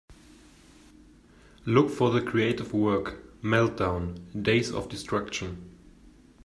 look for the creative work Meltdown – Days of Destruction